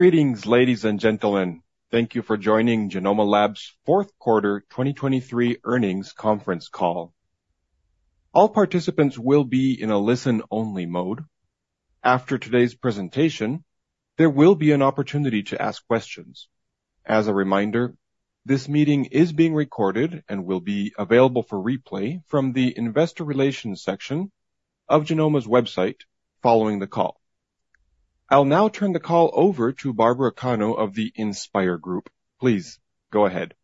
Greetings, ladies and gentlemen. Thank you for joining Genomma Lab's fourth quarter 2023 earnings conference call. All participants will be in a listen-only mode. After today's presentation, there will be an opportunity to ask questions. As a reminder, this meeting is being recorded and will be available for replay from the Investor Relations section of Genomma's website following the call. I'll now turn the call over to Barbara Cano of the InspIR Group. Please go ahead.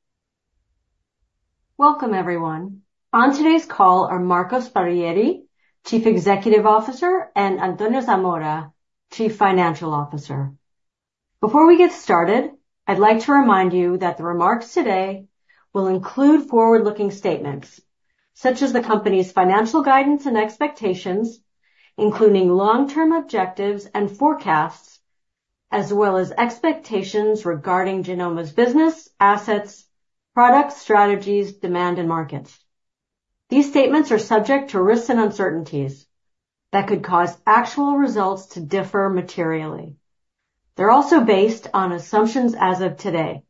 Welcome, everyone. On today's call are Marco Sparvieri, Chief Executive Officer, and Antonio Zamora Galland, Chief Financial Officer. Before we get started, I'd like to remind you that the remarks today will include forward-looking statements such as the company's financial guidance and expectations, including long-term objectives and forecasts, as well as expectations regarding Genomma's business, assets, products, strategies, demand, and markets. These statements are subject to risks and uncertainties that could cause actual results to differ materially. They're also based on assumptions as of today,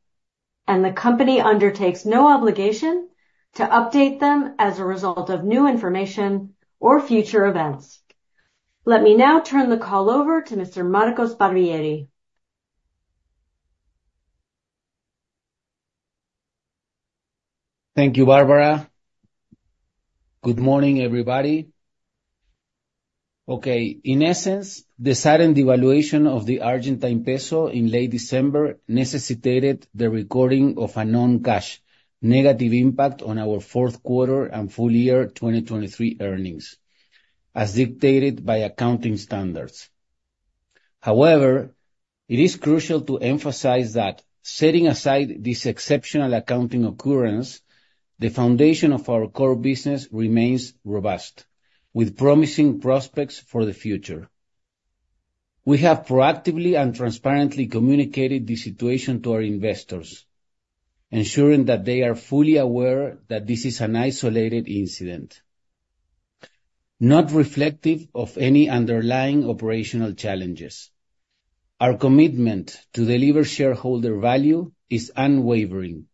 and the company undertakes no obligation to update them as a result of new information or future events. Let me now turn the call over to Mr. Marco Sparvieri. Thank you, Barbara. Good morning, everybody. Okay, in essence, the sudden devaluation of the Argentine peso in late December necessitated the recording of a non-cash negative impact on our fourth quarter and full year 2023 earnings, as dictated by accounting standards. However, it is crucial to emphasize that setting aside this exceptional accounting occurrence, the foundation of our core business remains robust, with promising prospects for the future. We have proactively and transparently communicated the situation to our investors, ensuring that they are fully aware that this is an isolated incident, not reflective of any underlying operational challenges. Our commitment to deliver shareholder value is unwavering,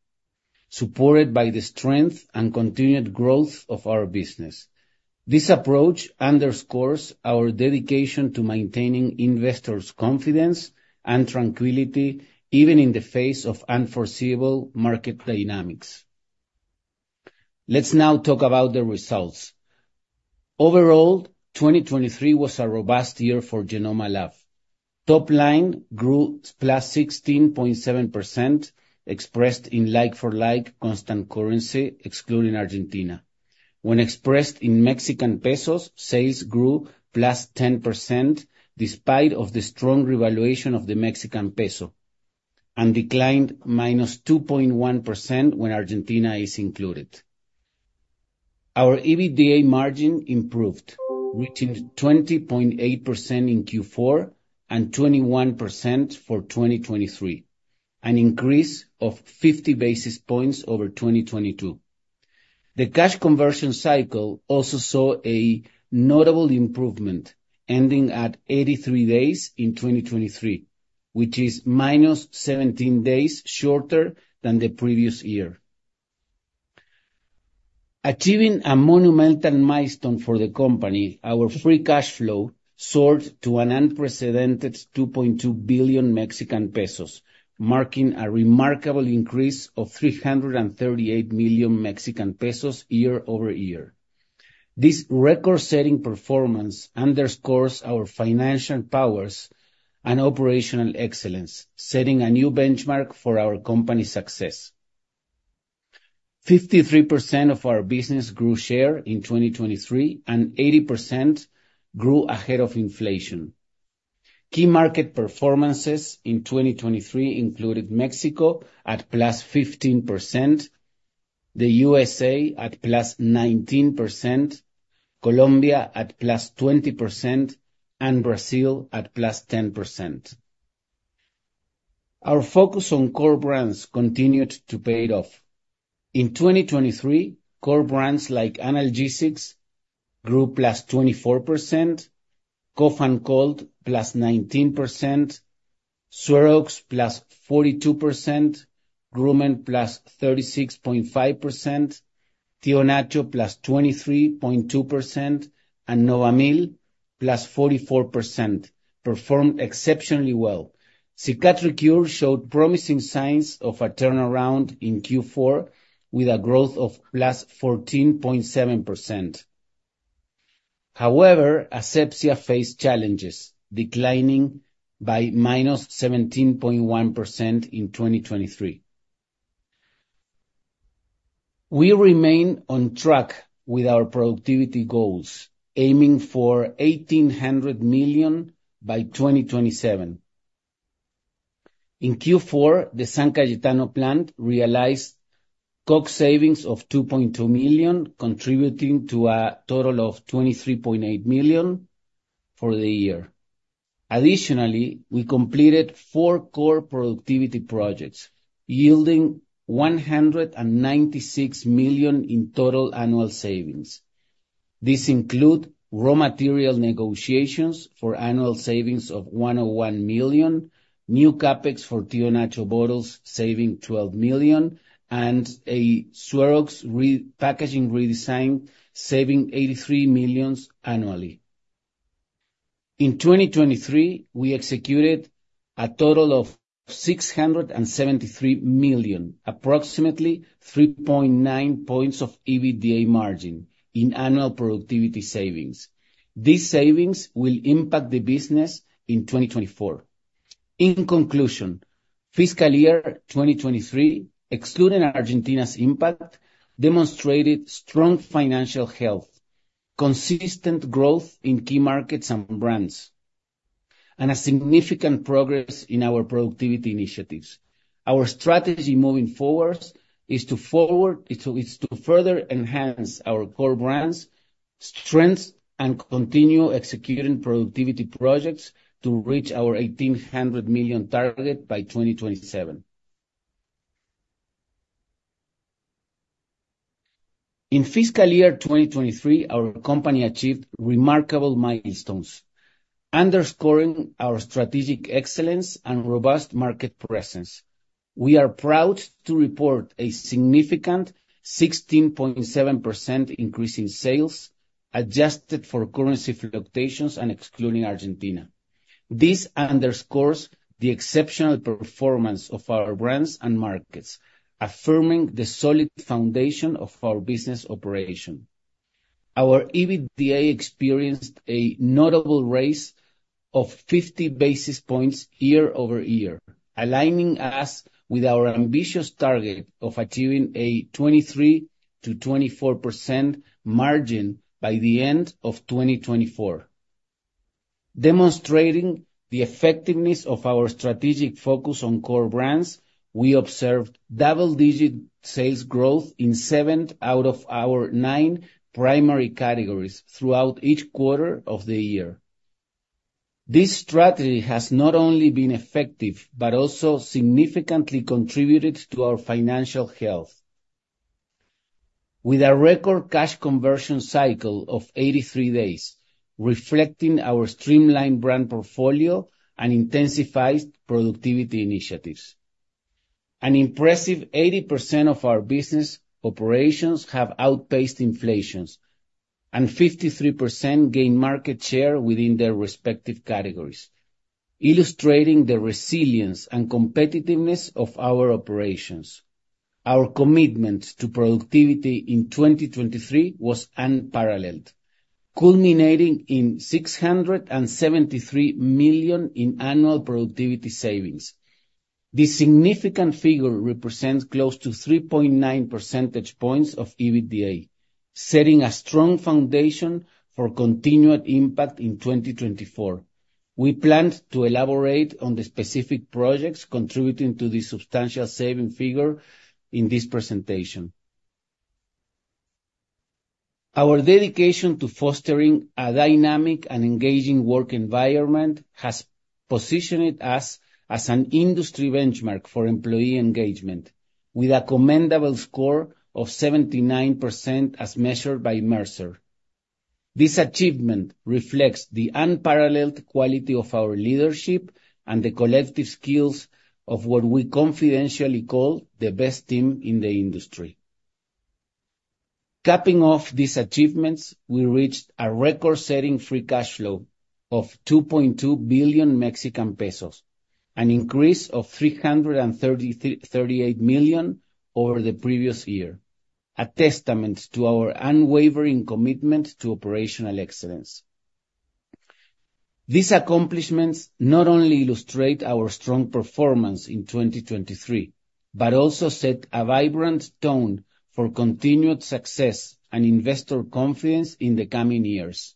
supported by the strength and continued growth of our business. This approach underscores our dedication to maintaining investors' confidence and tranquility, even in the face of unforeseeable market dynamics. Let's now talk about the results. Overall, 2023 was a robust year for Genomma Lab. Top line grew +16.7%, expressed in like-for-like constant currency, excluding Argentina. When expressed in Mexican pesos, sales grew +10%, despite of the strong revaluation of the Mexican peso, and declined -2.1% when Argentina is included. Our EBITDA margin improved, reaching 20.8% in Q4 and 21% for 2023, an increase of 50 basis points over 2022. The cash conversion cycle also saw a notable improvement, ending at 83 days in 2023, which is -17 days shorter than the previous year. Achieving a monumental milestone for the company, our free cash flow soared to an unprecedented 2.2 billion Mexican pesos, marking a remarkable increase of 338 million Mexican pesos year-over-year. This record-setting performance underscores our financial powers and operational excellence, setting a new benchmark for our company's success. 53% of our business grew share in 2023, and 80% grew ahead of inflation. Key market performances in 2023 included Mexico at +15%, the USA at +19%, Colombia at +20%, and Brazil at +10%. Our focus on core brands continued to pay off. In 2023, core brands like analgesics grew +24%, cough and cold +19%, SueroX +42%, Groomen +36.5%, Tío Nacho +23.2%, and Novamil +44%, performed exceptionally well. Cicatricure showed promising signs of a turnaround in Q4 with a growth of +14.7%. However, Asepxia faced challenges, declining by -17.1% in 2023. We remain on track with our productivity goals, aiming for 1,800 million by 2027. In Q4, the San Cayetano plant realized COGS savings of 2.2 million, contributing to a total of 23.8 million for the year. Additionally, we completed 4 core productivity projects, yielding 196 million in total annual savings. These include raw material negotiations for annual savings of 101 million, new CapEx for Tío Nacho bottles, saving 12 million, and a SueroX repackaging redesign, saving 83 million annually. In 2023, we executed a total of 673 million, approximately 3.9 points of EBITDA margin in annual productivity savings. These savings will impact the business in 2024. In conclusion, fiscal year 2023, excluding Argentina's impact, demonstrated strong financial health, consistent growth in key markets and brands, and a significant progress in our productivity initiatives. Our strategy moving forward is to further enhance our core brands, strengths, and continue executing productivity projects to reach our 1,800 million target by 2027. In fiscal year 2023, our company achieved remarkable milestones, underscoring our strategic excellence and robust market presence. We are proud to report a significant 16.7% increase in sales, adjusted for currency fluctuations and excluding Argentina. This underscores the exceptional performance of our brands and markets, affirming the solid foundation of our business operation. Our EBITDA experienced a notable raise of 50 basis points year-over-year, aligning us with our ambitious target of achieving a 23%-24% margin by the end of 2024. Demonstrating the effectiveness of our strategic focus on core brands, we observed double-digit sales growth in seven out of our nine primary categories throughout each quarter of the year. This strategy has not only been effective, but also significantly contributed to our financial health, with a record cash conversion cycle of 83 days, reflecting our streamlined brand portfolio and intensified productivity initiatives. An impressive 80% of our business operations have outpaced inflation, and 53% gained market share within their respective categories, illustrating the resilience and competitiveness of our operations. Our commitment to productivity in 2023 was unparalleled, culminating in 673 million in annual productivity savings. This significant figure represents close to 3.9 percentage points of EBITDA, setting a strong foundation for continued impact in 2024. We plan to elaborate on the specific projects contributing to this substantial saving figure in this presentation. Our dedication to fostering a dynamic and engaging work environment has positioned us as an industry benchmark for employee engagement, with a commendable score of 79% as measured by Mercer. This achievement reflects the unparalleled quality of our leadership and the collective skills of what we confidentially call the best team in the industry. Capping off these achievements, we reached a record-setting free cash flow of 2.2 billion Mexican pesos, an increase of 338 million over the previous year, a testament to our unwavering commitment to operational excellence. These accomplishments not only illustrate our strong performance in 2023, but also set a vibrant tone for continued success and investor confidence in the coming years.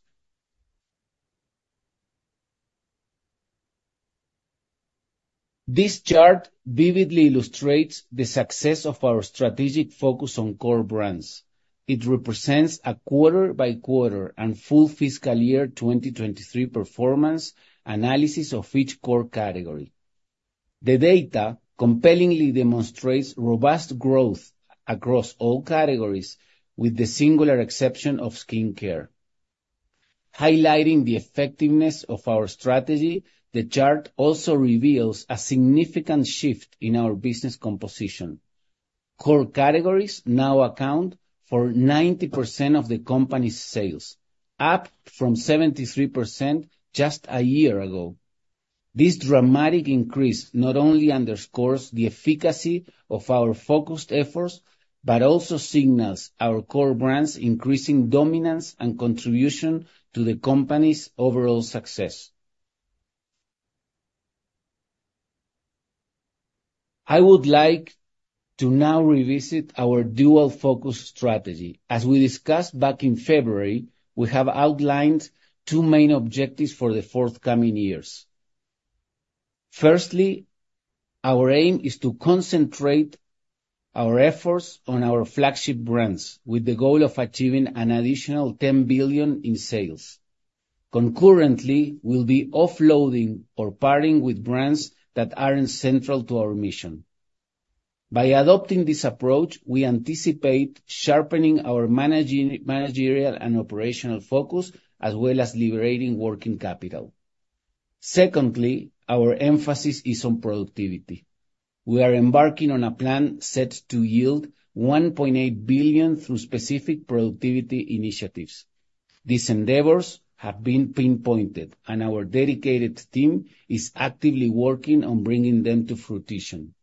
This chart vividly illustrates the success of our strategic focus on core brands. It represents a quarter-by-quarter and full fiscal year 2023 performance analysis of each core category. The data compellingly demonstrates robust growth across all categories, with the singular exception of skincare. Highlighting the effectiveness of our strategy, the chart also reveals a significant shift in our business composition. Core categories now account for 90% of the company's sales, up from 73% just a year ago. This dramatic increase not only underscores the efficacy of our focused efforts, but also signals our core brands' increasing dominance and contribution to the company's overall success. I would like to now revisit our dual-focus strategy. As we discussed back in February, we have outlined two main objectives for the forthcoming years. Firstly, our aim is to concentrate our efforts on our flagship brands, with the goal of achieving an additional 10 billion in sales. Concurrently, we'll be offloading or parting with brands that aren't central to our mission.... By adopting this approach, we anticipate sharpening our managing- managerial and operational focus, as well as liberating working capital. Secondly, our emphasis is on productivity. We are embarking on a plan set to yield 1.8 billion through specific productivity initiatives. These endeavors have been pinpointed, and our dedicated team is actively working on bringing them to fruition.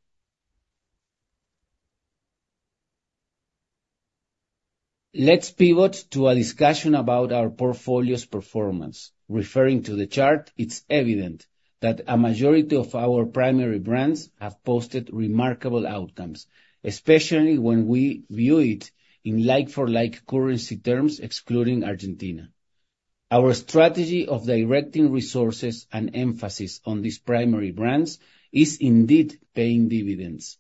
Let's pivot to a discussion about our portfolio's performance. Referring to the chart, it's evident that a majority of our primary brands have posted remarkable outcomes, especially when we view it in like-for-like currency terms, excluding Argentina. Our strategy of directing resources and emphasis on these primary brands is indeed paying dividends.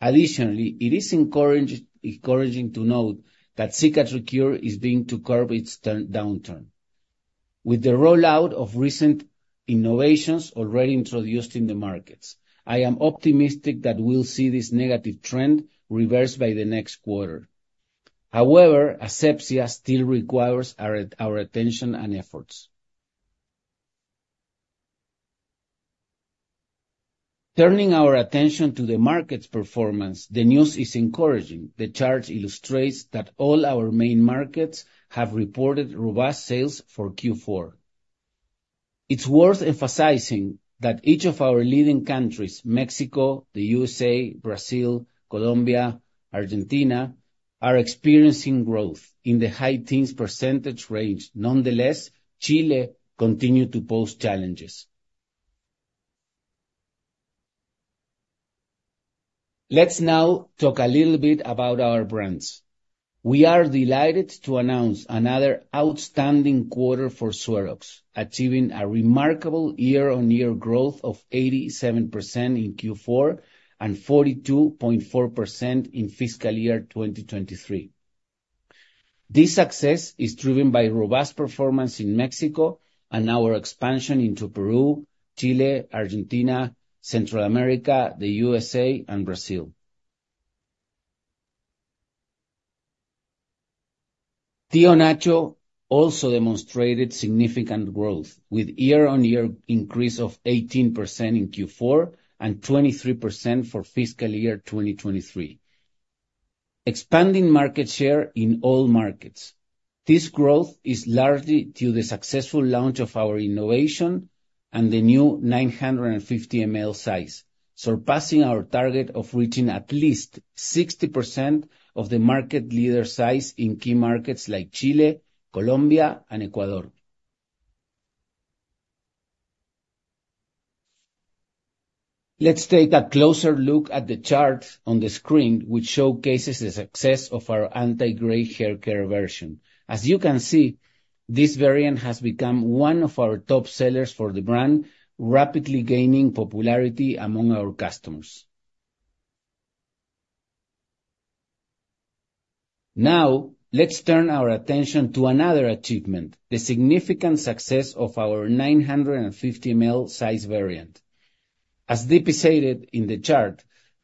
Additionally, it is encouraging to note that Cicatricure is beginning to curb its downturn. With the rollout of recent innovations already introduced in the markets, I am optimistic that we'll see this negative trend reversed by the next quarter. However, Asepxia still requires our attention and efforts. Turning our attention to the market's performance, the news is encouraging. The chart illustrates that all our main markets have reported robust sales for Q4. It's worth emphasizing that each of our leading countries, Mexico, the USA, Brazil, Colombia, Argentina, are experiencing growth in the high teens percentage range. Nonetheless, Chile continue to pose challenges. Let's now talk a little bit about our brands. We are delighted to announce another outstanding quarter for SueroX, achieving a remarkable year-on-year growth of 87% in Q4 and 42.4% in fiscal year 2023. This success is driven by robust performance in Mexico and our expansion into Peru, Chile, Argentina, Central America, the USA, and Brazil. Tío Nacho also demonstrated significant growth, with year-on-year increase of 18% in Q4, and 23% for fiscal year 2023, expanding market share in all markets. This growth is largely due to the successful launch of our innovation and the new 950 ml size, surpassing our target of reaching at least 60% of the market leader size in key markets like Chile, Colombia, and Ecuador. Let's take a closer look at the chart on the screen, which showcases the success of our anti-gray hair care version. As you can see, this variant has become one of our top sellers for the brand, rapidly gaining popularity among our customers. Now, let's turn our attention to another achievement, the significant success of our 950 ml size variant. As depicted in the chart,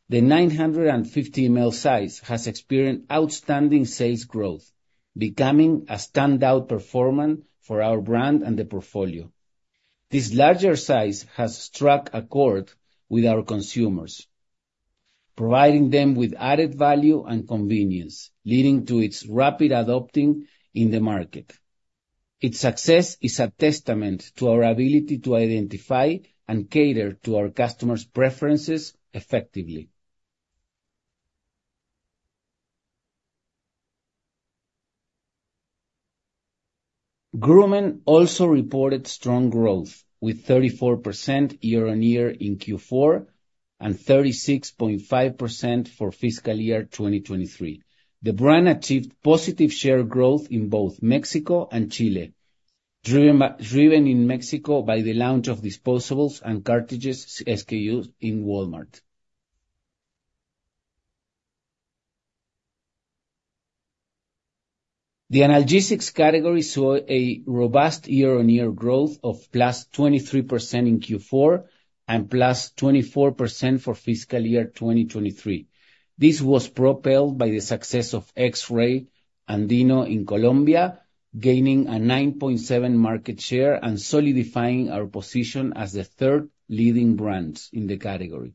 the 950 ml size has experienced outstanding sales growth, becoming a standout performer for our brand and the portfolio. This larger size has struck a chord with our consumers, providing them with added value and convenience, leading to its rapid adoption in the market. Its success is a testament to our ability to identify and cater to our customers' preferences effectively. Groomen also reported strong growth, with 34% year-on-year in Q4, and 36.5% for fiscal year 2023. The brand achieved positive share growth in both Mexico and Chile, driven in Mexico by the launch of disposables and cartridges SKUs in Walmart. The analgesics category saw a robust year-on-year growth of +23% in Q4, and +24% for fiscal year 2023. This was propelled by the success of X Ray Andino in Colombia, gaining a 9.7 market share and solidifying our position as the third leading brands in the category.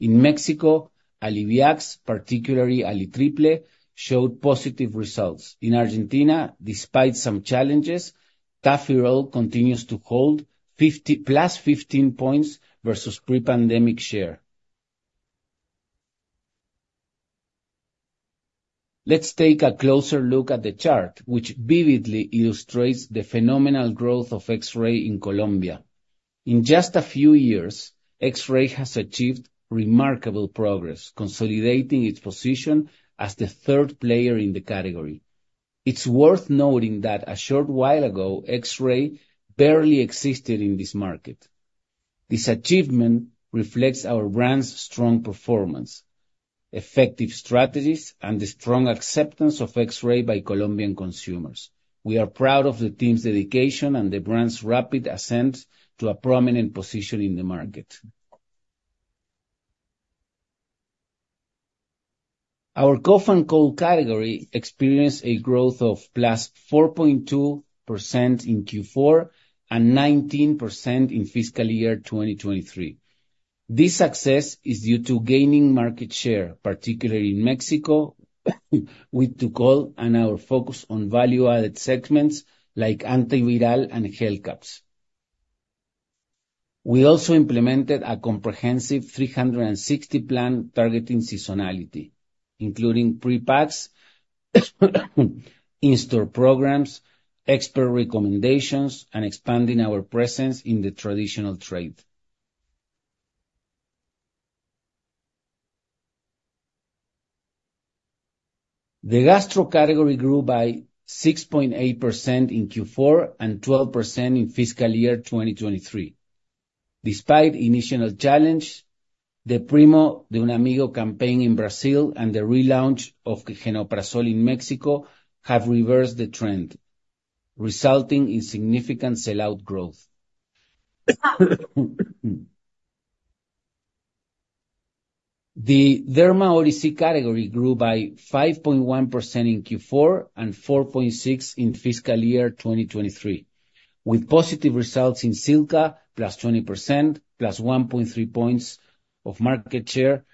In Mexico, Alliviax, particularly Alli-Triple, showed positive results. In Argentina, despite some challenges, Tafirol continues to hold 50 plus 15 points versus pre-pandemic share. Let's take a closer look at the chart, which vividly illustrates the phenomenal growth of X Ray in Colombia. In just a few years, X Ray has achieved remarkable progress, consolidating its position as the third player in the category. It's worth noting that a short while ago, X Ray barely existed in this market. This achievement reflects our brand's strong performance, effective strategies, and the strong acceptance of X Ray by Colombian consumers. We are proud of the team's dedication and the brand's rapid ascent to a prominent position in the market. Our cough and cold category experienced a growth of +4.2% in Q4 and 19% in fiscal year 2023. This success is due to gaining market share, particularly in Mexico, with Tucol and our focus on value-added segments like antiviral and gel caps. We also implemented a comprehensive 360 plan targeting seasonality, including prepacks, in-store programs, expert recommendations, and expanding our presence in the traditional trade. The gastro category grew by 6.8% in Q4 and 12% in fiscal year 2023. Despite initial challenge, the Primo de Un Amigo campaign in Brazil and the relaunch of Genoprazol in Mexico have reversed the trend, resulting in significant sell-out growth. The Derma OTC category grew by 5.1% in Q4 and 4.6% in fiscal year 2023, with positive results in Silka, +20%, +1.3 points of market share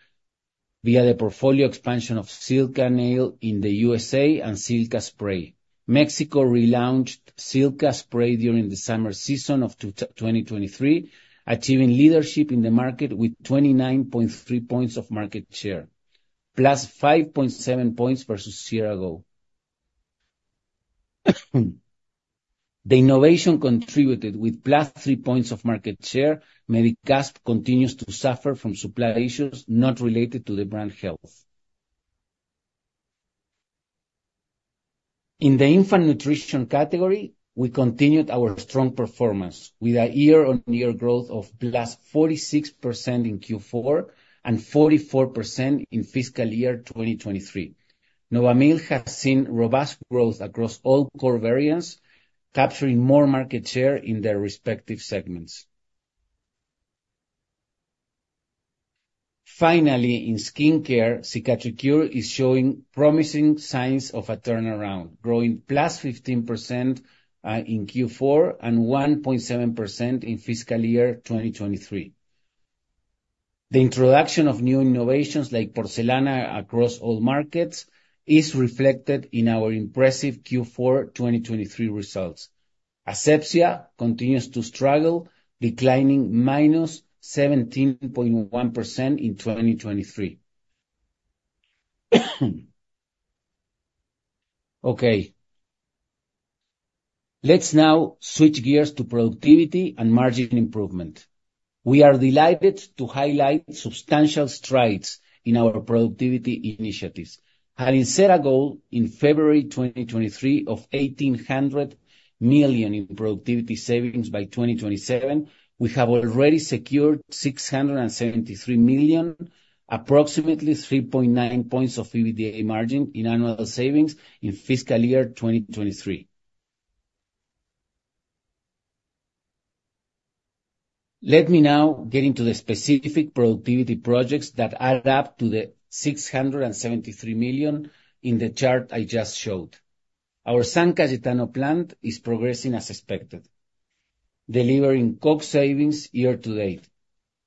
via the portfolio expansion of Silka Nail in the USA and Silka Spray. Mexico relaunched Silka Spray during the summer season of 2023, achieving leadership in the market with 29.3 points of market share, +5.7 points versus a year ago. The innovation contributed with +3 points of market share. Medicasp continues to suffer from supply issues not related to the brand health. In the infant nutrition category, we continued our strong performance with a year-on-year growth of +46% in Q4 and 44% in fiscal year 2023. Novamil has seen robust growth across all core variants, capturing more market share in their respective segments. Finally, in skincare, Cicatricure is showing promising signs of a turnaround, growing +15%, in Q4 and 1.7% in fiscal year 2023. The introduction of new innovations like Porcelana across all markets is reflected in our impressive Q4 2023 results. Asepxia continues to struggle, declining -17.1% in 2023. Okay, let's now switch gears to productivity and margin improvement. We are delighted to highlight substantial strides in our productivity initiatives. Having set a goal in February 2023 of 1,800 million in productivity savings by 2027, we have already secured 673 million, approximately 3.9 points of EBITDA margin in annual savings in fiscal year 2023. Let me now get into the specific productivity projects that add up to 673 million in the chart I just showed. Our San Cayetano plant is progressing as expected, delivering COG savings year to date.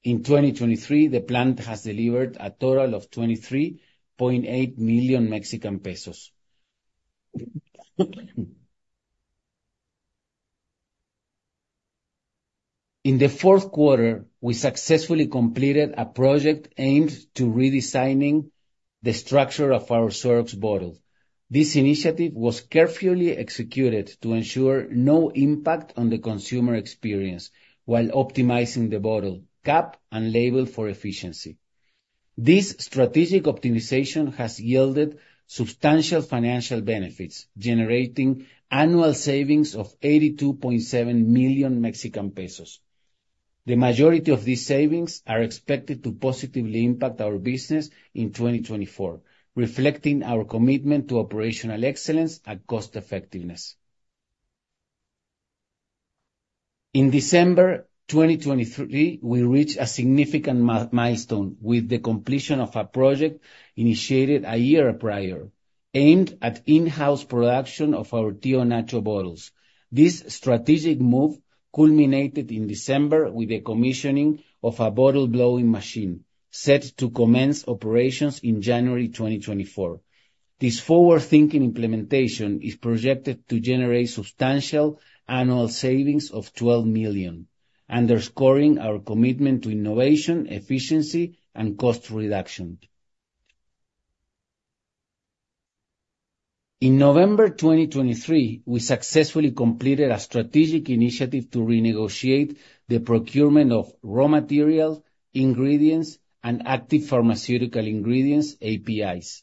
In 2023, the plant has delivered a total of 23.8 million Mexican pesos. In the fourth quarter, we successfully completed a project aimed to redesigning the structure of our SueroX bottle. This initiative was carefully executed to ensure no impact on the consumer experience while optimizing the bottle, cap, and label for efficiency. This strategic optimization has yielded substantial financial benefits, generating annual savings of 82.7 million Mexican pesos. The majority of these savings are expected to positively impact our business in 2024, reflecting our commitment to operational excellence and cost effectiveness. In December 2023, we reached a significant milestone with the completion of a project initiated a year prior, aimed at in-house production of our Tío Nacho bottles. This strategic move culminated in December with the commissioning of a bottle blowing machine, set to commence operations in January 2024. This forward-thinking implementation is projected to generate substantial annual savings of 12 million, underscoring our commitment to innovation, efficiency, and cost reduction. In November 2023, we successfully completed a strategic initiative to renegotiate the procurement of raw materials, ingredients, and active pharmaceutical ingredients, APIs.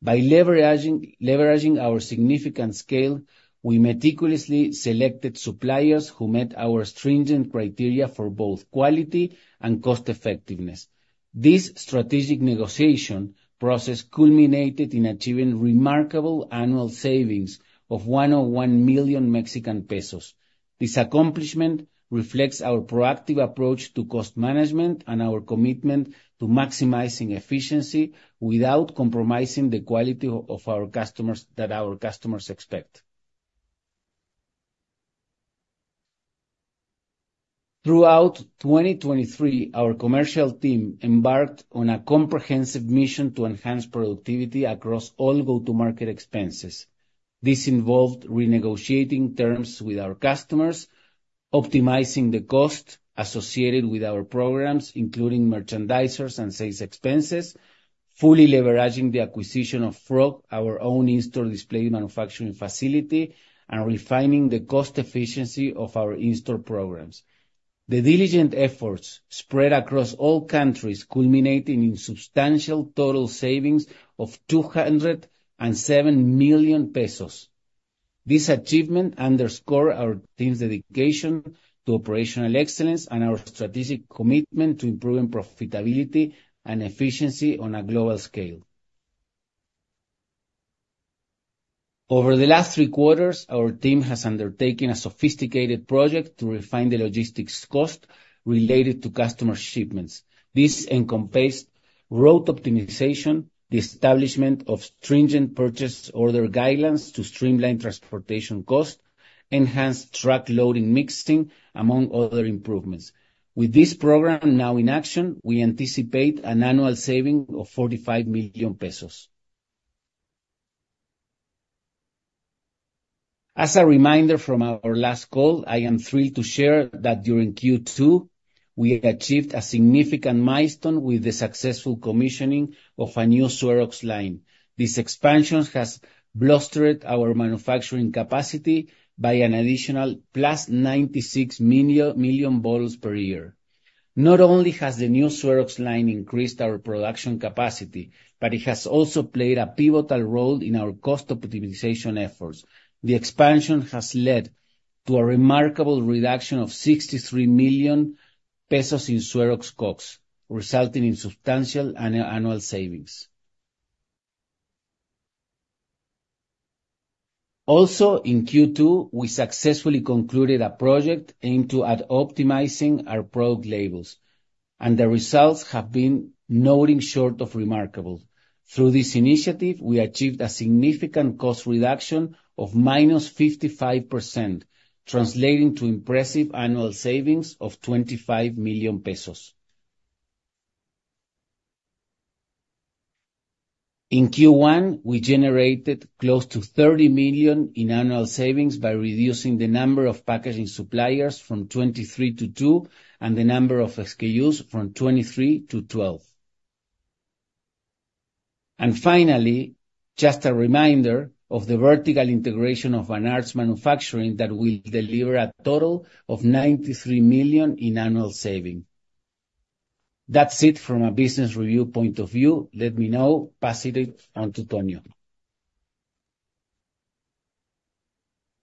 By leveraging our significant scale, we meticulously selected suppliers who met our stringent criteria for both quality and cost effectiveness. This strategic negotiation process culminated in achieving remarkable annual savings of 101 million Mexican pesos. This accomplishment reflects our proactive approach to cost management and our commitment to maximizing efficiency without compromising the quality of our customers that our customers expect. Throughout 2023, our commercial team embarked on a comprehensive mission to enhance productivity across all go-to-market expenses. This involved renegotiating terms with our customers, optimizing the cost associated with our programs, including merchandisers and sales expenses, fully leveraging the acquisition of Frog, our own in-store display manufacturing facility, and refining the cost efficiency of our in-store programs. The diligent efforts spread across all countries, culminating in substantial total savings of 207 million pesos. This achievement underscore our team's dedication to operational excellence and our strategic commitment to improving profitability and efficiency on a global scale. Over the last three quarters, our team has undertaken a sophisticated project to refine the logistics cost related to customer shipments. This encompassed route optimization, the establishment of stringent purchase order guidelines to streamline transportation costs, enhanced truck loading mixing, among other improvements. With this program now in action, we anticipate an annual saving of 45 million pesos. As a reminder from our last call, I am thrilled to share that during Q2, we achieved a significant milestone with the successful commissioning of a new SueroX line. This expansion has bolstered our manufacturing capacity by an additional +96 million bottles per year. Not only has the new SueroX line increased our production capacity, but it has also played a pivotal role in our cost optimization efforts. The expansion has led to a remarkable reduction of 63 million pesos in SueroX COGS, resulting in substantial annual savings. Also, in Q2, we successfully concluded a project aimed at optimizing our product labels, and the results have been nothing short of remarkable. Through this initiative, we achieved a significant cost reduction of -55%, translating to impressive annual savings of 25 million pesos. In Q1, we generated close to 30 million in annual savings by reducing the number of packaging suppliers from 23 to two, and the number of SKUs from 23 to 12. Finally, just a reminder of the vertical integration of fine arts manufacturing that will deliver a total of 93 million in annual saving. That's it from a business review point of view. Let me now pass it on to Tonio.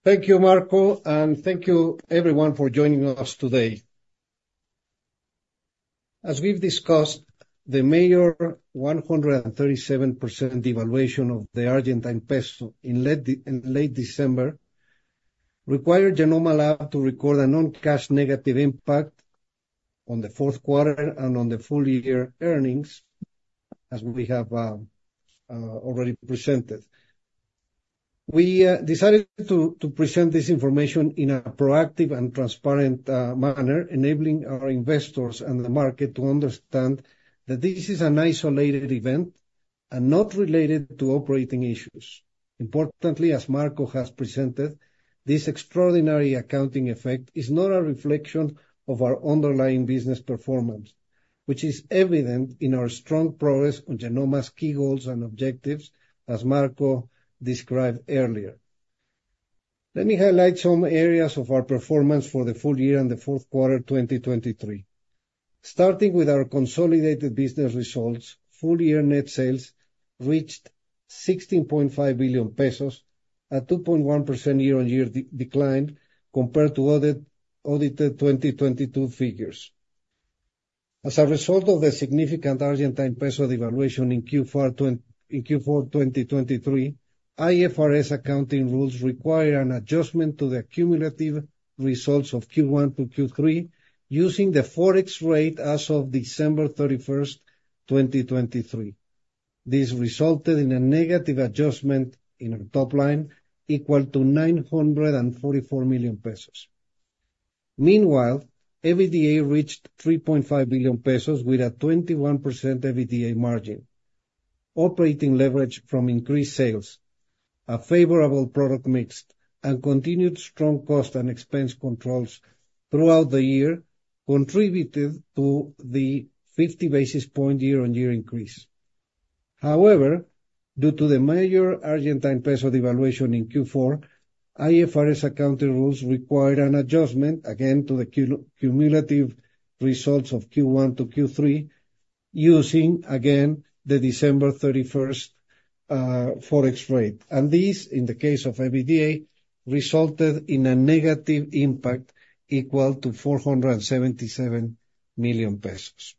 Thank you, Marco, and thank you everyone for joining us today. As we've discussed, the major 137% devaluation of the Argentine peso in late December required Genomma Lab to record a non-cash negative impact on the fourth quarter and on the full year earnings, as we have already presented. We decided to present this information in a proactive and transparent manner, enabling our investors and the market to understand that this is an isolated event and not related to operating issues. Importantly, as Marco has presented, this extraordinary accounting effect is not a reflection of our underlying business performance, which is evident in our strong progress on Genomma's key goals and objectives, as Marco described earlier. Let me highlight some areas of our performance for the full year and the fourth quarter, 2023. Starting with our consolidated business results, full year net sales reached 16.5 billion pesos, a 2.1% year-on-year decline compared to audited 2022 figures. As a result of the significant Argentine peso devaluation in Q4 2023, IFRS accounting rules require an adjustment to the cumulative results of Q1 to Q3, using the Forex rate as of December 31, 2023. This resulted in a negative adjustment in our top line, equal to 944 million pesos. Meanwhile, EBITDA reached 3.5 billion pesos with a 21% EBITDA margin. Operating leverage from increased sales, a favorable product mix, and continued strong cost and expense controls throughout the year contributed to the 50 basis point year-on-year increase. However, due to the major Argentine peso devaluation in Q4, IFRS accounting rules required an adjustment again to the cumulative results of Q1 to Q3, using, again, the December 31st Forex rate. And this, in the case of EBITDA, resulted in a negative impact equal to 477 million pesos.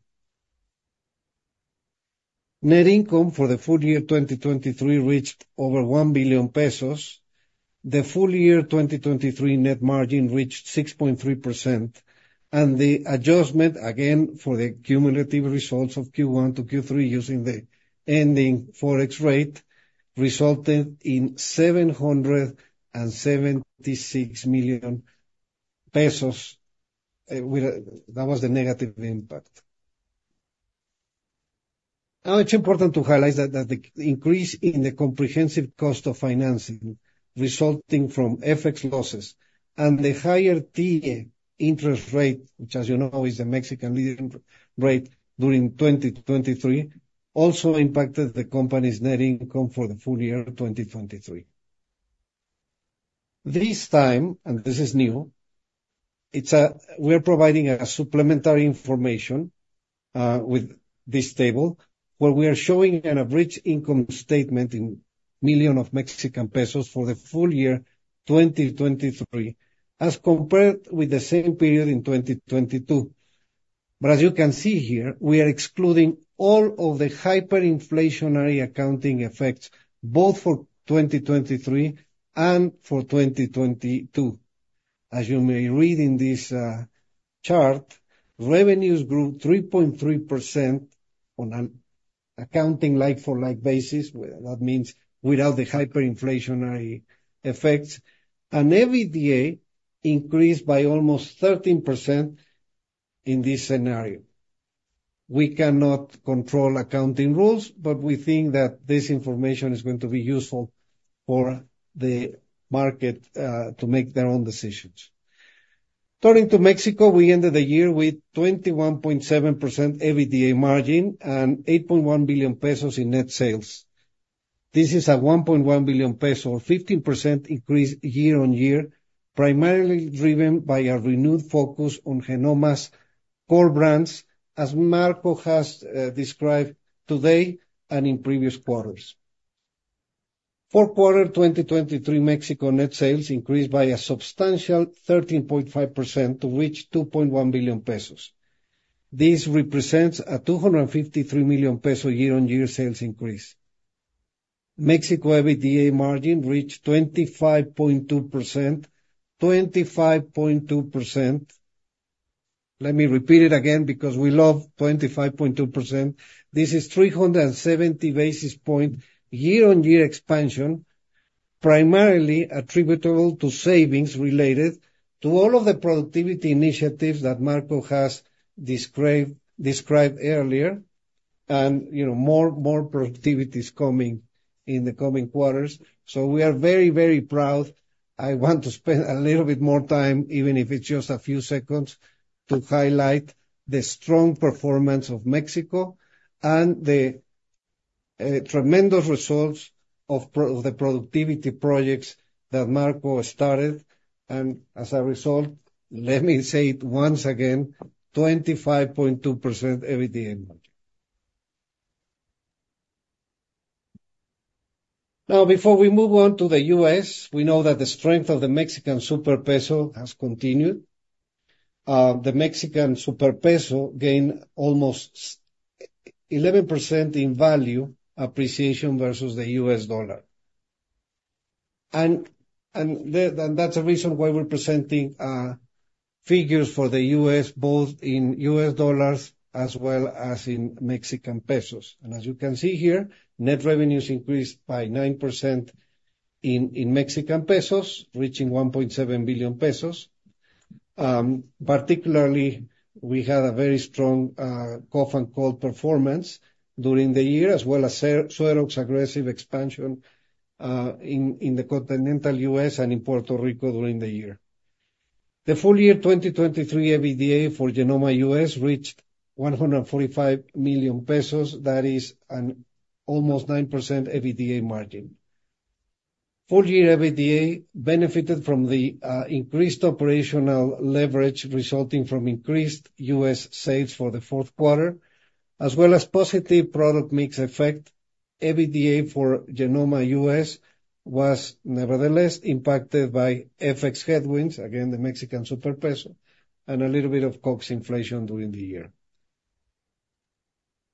Net income for the full year 2023 reached over 1 billion pesos. The full year 2023 net margin reached 6.3%, and the adjustment, again, for the cumulative results of Q1 to Q3 using the ending Forex rate, resulted in MXN 776 million, that was the negative impact. Now, it's important to highlight that the increase in the comprehensive cost of financing resulting from FX losses and the higher TIIE interest rate, which, as you know, is the Mexican leading rate during 2023, also impacted the company's net income for the full year of 2023. This time, and this is new, we're providing supplementary information with this table, where we are showing an abridged income statement in millions of Mexican pesos for the full year 2023, as compared with the same period in 2022. But as you can see here, we are excluding all of the hyperinflationary accounting effects, both for 2023 and for 2022. As you may read in this chart, revenues grew 3.3% on an accounting like-for-like basis, where that means without the hyperinflationary effects, and EBITDA increased by almost 13% in this scenario. We cannot control accounting rules, but we think that this information is going to be useful for the market to make their own decisions. Turning to Mexico, we ended the year with 21.7% EBITDA margin and 8.1 billion pesos in net sales. This is a 1.1 billion peso, or 15% increase year-on-year, primarily driven by a renewed focus on Genomma's core brands, as Marco has described today and in previous quarters. Fourth quarter 2023, Mexico net sales increased by a substantial 13.5% to reach 2.1 billion pesos. This represents an 253 million peso year-on-year sales increase. Mexico EBITDA margin reached 25.2%. 25.2%, let me repeat it again because we love 25.2%. This is 370 basis point year-on-year expansion, primarily attributable to savings related to all of the productivity initiatives that Marco has described earlier. And, you know, more productivity is coming in the coming quarters. So we are very, very proud. I want to spend a little bit more time, even if it's just a few seconds, to highlight the strong performance of Mexico and the tremendous results of the productivity projects that Marco started. And as a result, let me say it once again, 25.2% EBITDA margin. Now, before we move on to the US, we know that the strength of the Mexican super peso has continued. The Mexican super peso gained almost 11% in value appreciation versus the US dollar. And that's the reason why we're presenting figures for the US, both in US dollars as well as in Mexican pesos. And as you can see here, net revenues increased by 9% in Mexican pesos, reaching 1.7 billion pesos. Particularly, we had a very strong cough and cold performance during the year, as well as SueroX aggressive expansion in the continental US and in Puerto Rico during the year. The full year, 2023 EBITDA for Genomma US reached 145 million pesos. That is an almost 9% EBITDA margin. Full year EBITDA benefited from the increased operational leverage resulting from increased US sales for the fourth quarter, as well as positive product mix effect. EBITDA for Genomma US was nevertheless impacted by FX headwinds, again, the Mexican super peso, and a little bit of COGS inflation during the year.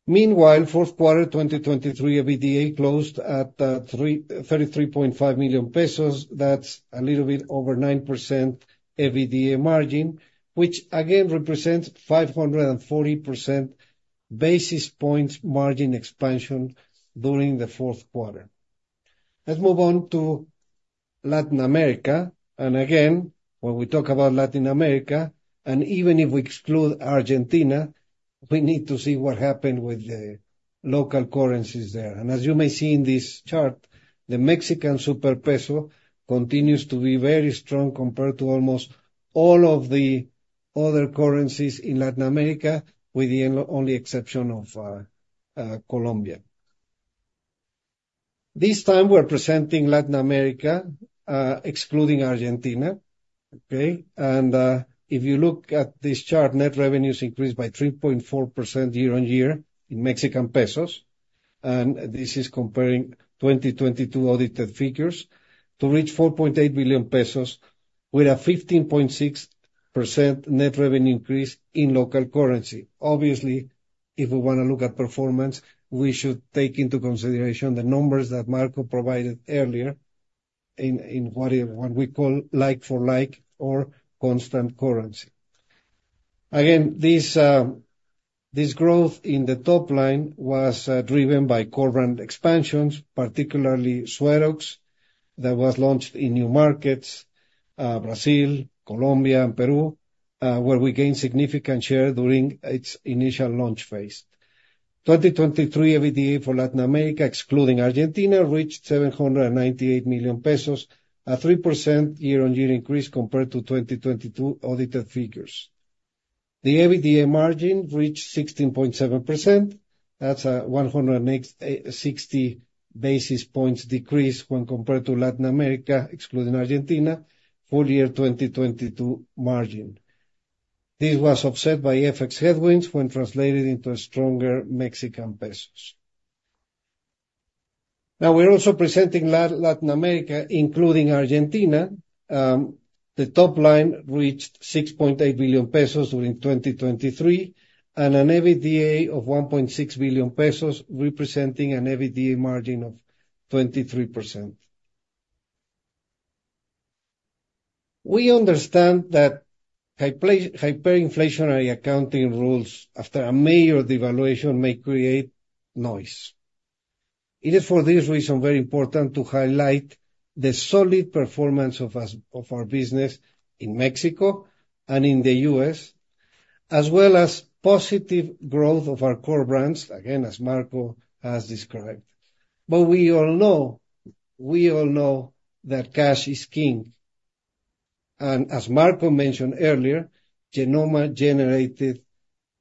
Meanwhile, fourth quarter 2023 EBITDA closed at 333.5 million pesos. That's a little bit over 9% EBITDA margin, which again represents 540 basis points margin expansion during the fourth quarter. Let's move on to Latin America. Again, when we talk about Latin America, and even if we exclude Argentina, we need to see what happened with the local currencies there. As you may see in this chart, the Mexican super peso continues to be very strong compared to almost all of the other currencies in Latin America, with the one only exception of Colombia. This time we're presenting Latin America, excluding Argentina, okay? If you look at this chart, net revenues increased by 3.4% year-on-year in Mexican pesos, and this is comparing 2022 audited figures, to reach 4.8 billion pesos with a 15.6% net revenue increase in local currency. Obviously, if we wanna look at performance, we should take into consideration the numbers that Marco provided earlier in, in what he, what we call like for like or constant currency... Again, this growth in the top line was driven by core brand expansions, particularly SueroX, that was launched in new markets, Brazil, Colombia and Peru, where we gained significant share during its initial launch phase. 2023 EBITDA for Latin America, excluding Argentina, reached 798 million pesos, a 3% year-on-year increase compared to 2022 audited figures. The EBITDA margin reached 16.7%. That's a 160 basis points decrease when compared to Latin America, excluding Argentina, full year 2022 margin. This was offset by FX headwinds when translated into a stronger Mexican pesos. Now, we're also presenting Latin America, including Argentina. The top line reached 6.8 billion pesos during 2023, and an EBITDA of 1.6 billion pesos, representing an EBITDA margin of 23%. We understand that hyperinflationary accounting rules after a major devaluation may create noise. It is for this reason very important to highlight the solid performance of us, of our business in Mexico and in the U.S., as well as positive growth of our core brands, again, as Marco has described. But we all know, we all know that cash is king, and as Marco mentioned earlier, Genomma generated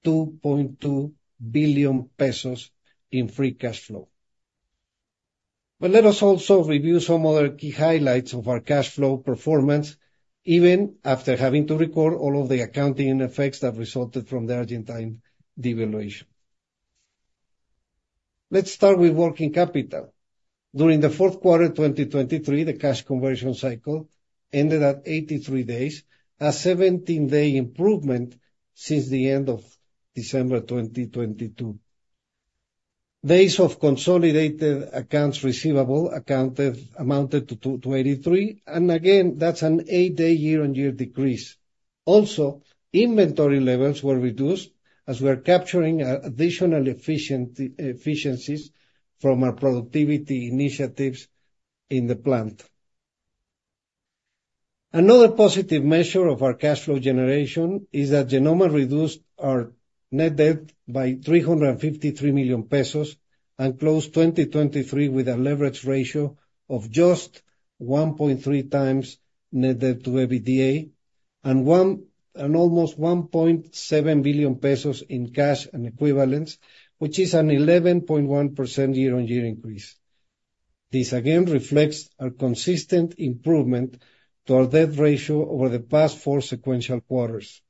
2.2 billion pesos in free cash flow. But let us also review some other key highlights of our cash flow performance, even after having to record all of the accounting effects that resulted from the Argentine devaluation. Let's start with working capital. During the fourth quarter, 2023, the cash conversion cycle ended at 83 days, a 17-day improvement since the end of December 2022. Days of consolidated accounts receivable amounted to 223, and again, that's an 8-day year-on-year decrease. Also, inventory levels were reduced as we are capturing additional efficiencies from our productivity initiatives in the plant. Another positive measure of our cash flow generation is that Genomma reduced our net debt by 353 million pesos, and closed 2023 with a leverage ratio of just 1.3 times net debt to EBITDA, and almost 1.7 billion pesos in cash and equivalents, which is an 11.1% year-on-year increase. This again reflects a consistent improvement to our debt ratio over the past 4 sequential quarters.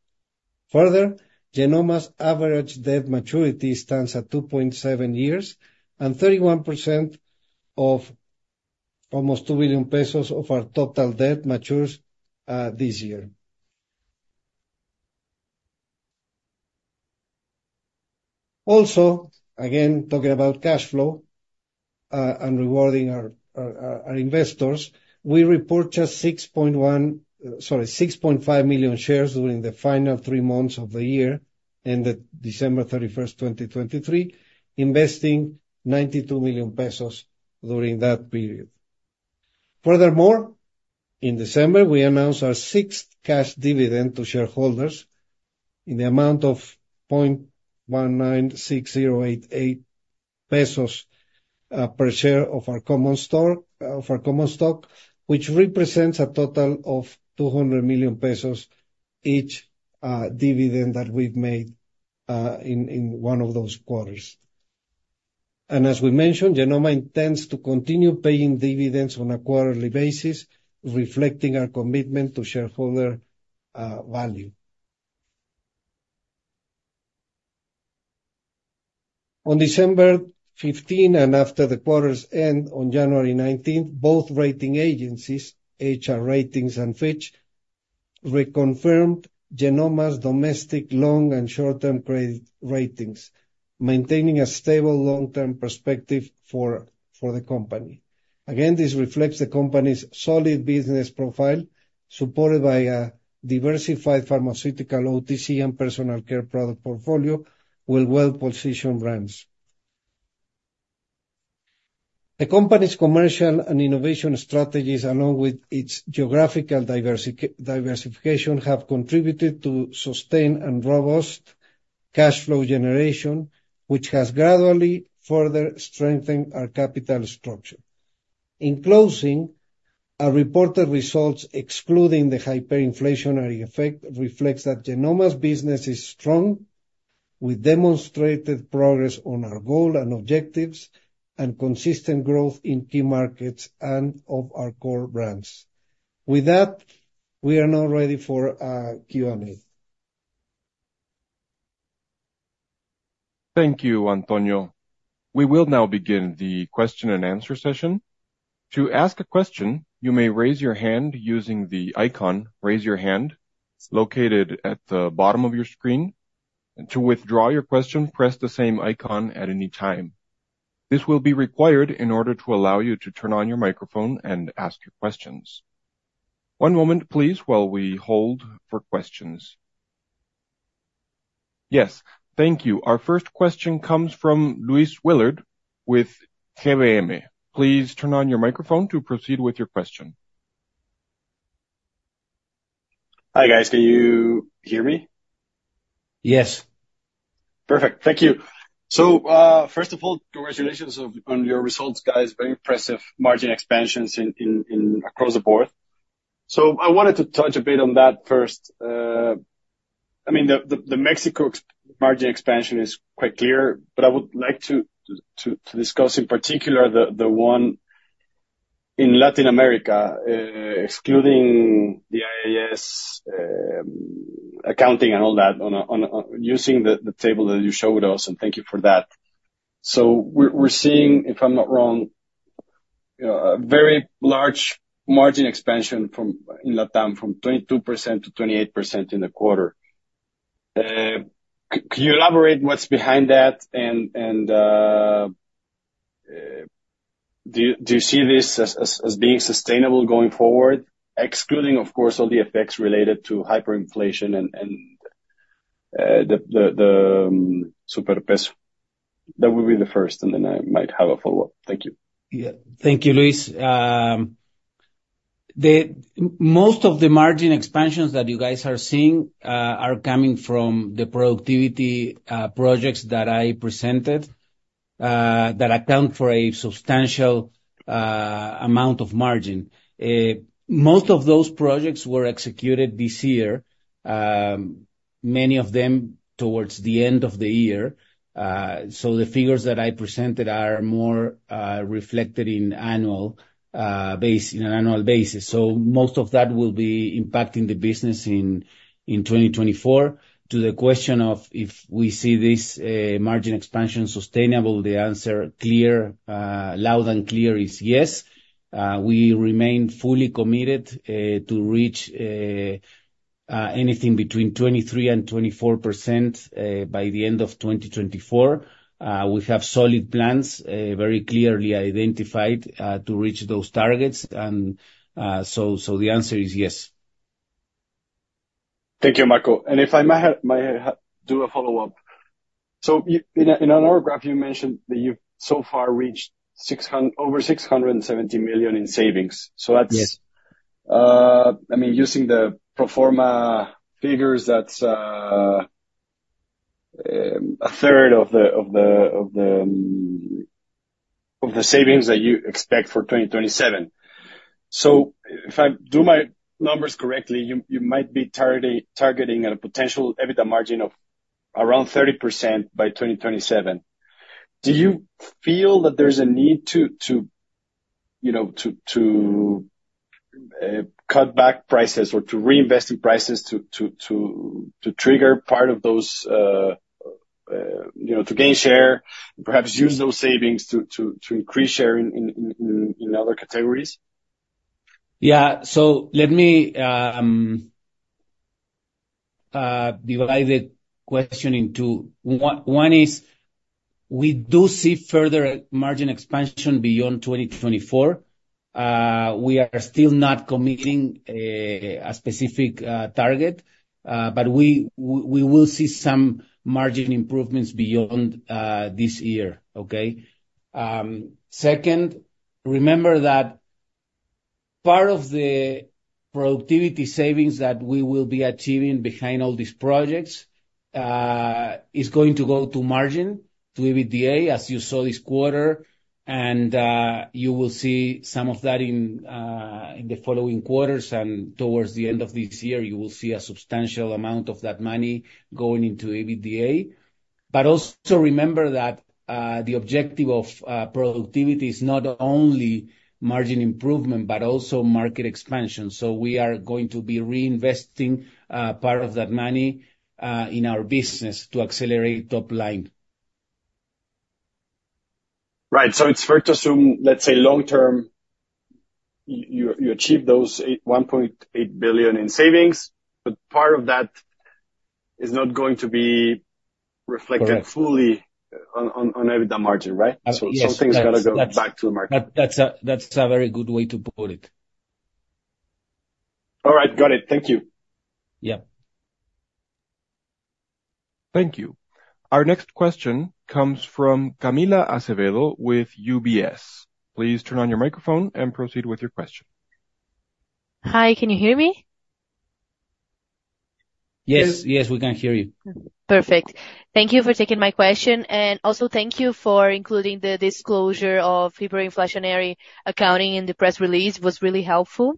Further, Genomma's average debt maturity stands at 2.7 years, and 31% of almost 2 billion pesos of our total debt matures this year. Also, again, talking about cash flow and rewarding our investors, we report 6.5 million shares during the final three months of the year, ended December 31, 2023, investing 92 million pesos during that period. Furthermore, in December, we announced our sixth cash dividend to shareholders in the amount of 0.196088 pesos per share of our common stock, which represents a total of 200 million pesos, each dividend that we've made in one of those quarters. As we mentioned, Genomma intends to continue paying dividends on a quarterly basis, reflecting our commitment to shareholder value. On December 15, and after the quarter's end on January 19, both rating agencies, HR Ratings and Fitch, reconfirmed Genomma's domestic long- and short-term credit ratings, maintaining a stable long-term perspective for the company. Again, this reflects the company's solid business profile, supported by a diversified pharmaceutical OTC and personal care product portfolio with well-positioned brands. The company's commercial and innovation strategies, along with its geographical diversification, have contributed to sustained and robust cash flow generation, which has gradually further strengthened our capital structure. In closing, our reported results, excluding the hyperinflationary effect, reflects that Genomma's business is strong, with demonstrated progress on our goal and objectives, and consistent growth in key markets and of our core brands. With that, we are now ready for a Q&A. Thank you, Antonio. We will now begin the question and answer session. To ask a question, you may raise your hand using the icon, "Raise your hand," located at the bottom of your screen, and to withdraw your question, press the same icon at any time.... This will be required in order to allow you to turn on your microphone and ask your questions. One moment, please, while we hold for questions. Yes, thank you. Our first question comes from Luis Willard with GBM. Please turn on your microphone to proceed with your question. Hi, guys. Can you hear me? Yes. Perfect. Thank you. So, first of all, congratulations on your results, guys. Very impressive margin expansions across the board. So I wanted to touch a bit on that first. I mean, the Mexico's margin expansion is quite clear, but I would like to discuss in particular the one in Latin America, excluding the IAS accounting and all that, on using the table that you showed us, and thank you for that. So we're seeing, if I'm not wrong, a very large margin expansion from in Latin America, from 22%-28% in the quarter. Can you elaborate what's behind that, and do you see this as being sustainable going forward? Excluding, of course, all the effects related to hyperinflation and the Super peso. That will be the first, and then I might have a follow-up. Thank you. Yeah. Thank you, Luis. Most of the margin expansions that you guys are seeing are coming from the productivity projects that I presented that account for a substantial amount of margin. Most of those projects were executed this year, many of them towards the end of the year. So the figures that I presented are more reflected in annual base, in an annual basis. So most of that will be impacting the business in 2024. To the question of if we see this margin expansion sustainable, the answer clear loud and clear is yes. We remain fully committed to reach anything between 23% and 24% by the end of 2024. We have solid plans, very clearly identified, to reach those targets, and, so the answer is yes. Thank you, Marco. If I might have to do a follow-up. So you, in another graph, you mentioned that you've so far reached over 670 million in savings. Yes. So that's, I mean, using the pro forma figures, that's a third of the savings that you expect for 2027. So if I do my numbers correctly, you might be targeting a potential EBITDA margin of around 30% by 2027. Do you feel that there's a need to, you know, to cut back prices or to reinvest in prices to trigger part of those, you know, to gain share, perhaps use those savings to increase share in other categories? Yeah. So let me divide the question in two. One is, we do see further margin expansion beyond 2024. We are still not committing a specific target, but we will see some margin improvements beyond this year, okay? Second, remember that part of the productivity savings that we will be achieving behind all these projects is going to go to margin, to EBITDA, as you saw this quarter, and you will see some of that in the following quarters, and towards the end of this year, you will see a substantial amount of that money going into EBITDA. But also remember that the objective of productivity is not only margin improvement, but also market expansion. We are going to be reinvesting part of that money in our business to accelerate top line. Right. So it's fair to assume, let's say, long term, you achieve those 8.1 billion in savings, but part of that is not going to be reflected- Right... fully on EBITDA margin, right? Yes, that's- Some things gotta go back to the market. That's a very good way to put it. All right. Got it. Thank you. Yeah. Thank you. Our next question comes from Camila Acevedo, with UBS. Please turn on your microphone and proceed with your question. Hi, can you hear me? Yes. Yes, we can hear you. Perfect. Thank you for taking my question, and also thank you for including the disclosure of hyperinflationary accounting in the press release. It was really helpful.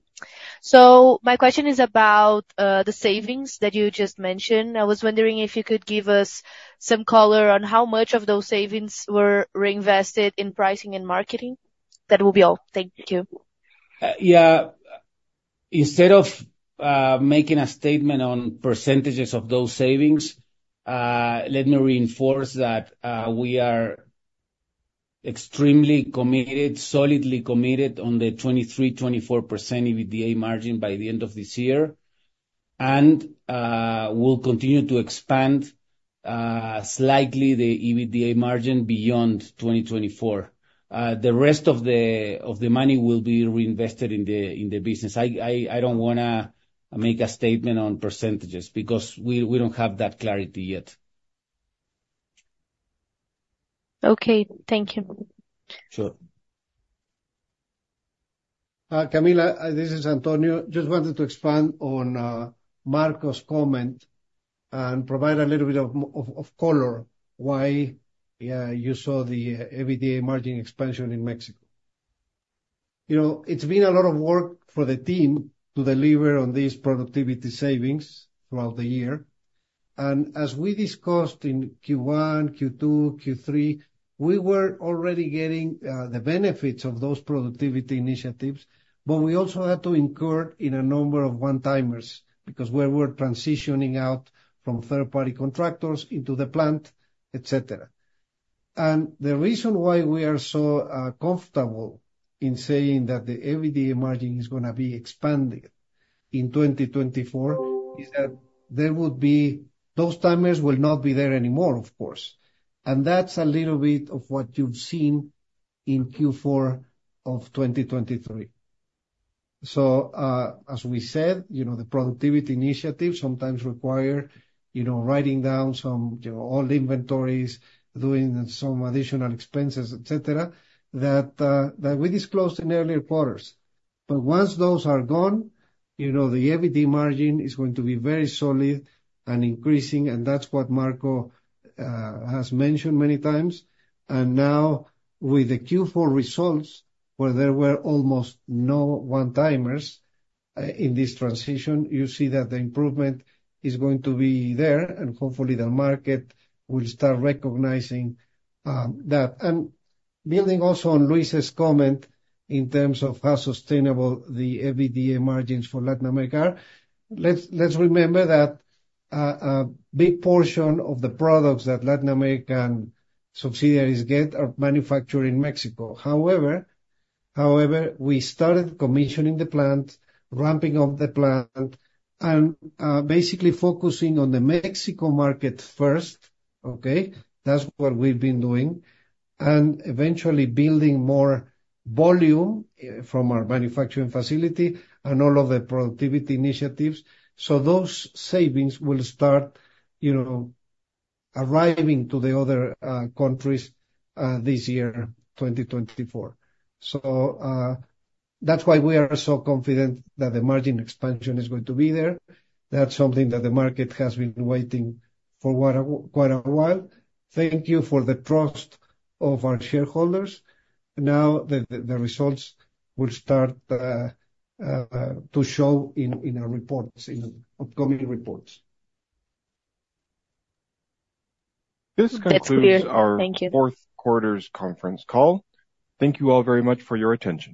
So my question is about the savings that you just mentioned. I was wondering if you could give us some color on how much of those savings were reinvested in pricing and marketing. That will be all. Thank you. Yeah. Instead of making a statement on percentages of those savings, let me reinforce that we are extremely committed, solidly committed, on the 23%-24% EBITDA margin by the end of this year... We'll continue to expand slightly the EBITDA margin beyond 2024. The rest of the money will be reinvested in the business. I don't wanna make a statement on percentages because we don't have that clarity yet. Okay. Thank you. Sure. Camila, this is Antonio. Just wanted to expand on Marco's comment and provide a little bit of color why you saw the EBITDA margin expansion in Mexico. You know, it's been a lot of work for the team to deliver on these productivity savings throughout the year. And as we discussed in Q1, Q2, Q3, we were already getting the benefits of those productivity initiatives, but we also had to incur in a number of one-timers, because we were transitioning out from third-party contractors into the plant, et cetera. And the reason why we are so comfortable in saying that the EBITDA margin is gonna be expanding in 2024, is that there would be... Those timers will not be there anymore, of course. And that's a little bit of what you've seen in Q4 of 2023. So, as we said, you know, the productivity initiatives sometimes require, you know, writing down some, you know, old inventories, doing some additional expenses, et cetera, that we disclosed in earlier quarters. But once those are gone, you know, the EBITDA margin is going to be very solid and increasing, and that's what Marco has mentioned many times. And now, with the Q4 results, where there were almost no one-timers in this transition, you see that the improvement is going to be there, and hopefully the market will start recognizing that. And building also on Luis's comment, in terms of how sustainable the EBITDA margins for Latin America are, let's remember that a big portion of the products that Latin American subsidiaries get are manufactured in Mexico. However, we started commissioning the plant, ramping up the plant, and basically focusing on the Mexico market first, okay? That's what we've been doing. Eventually building more volume from our manufacturing facility and all of the productivity initiatives. So those savings will start, you know, arriving to the other countries this year, 2024. So, that's why we are so confident that the margin expansion is going to be there. That's something that the market has been waiting for quite a while. Thank you for the trust of our shareholders. Now, the results will start to show in our reports, in upcoming reports. This concludes- That's clear. Thank you. Our fourth quarter's conference call. Thank you all very much for your attention.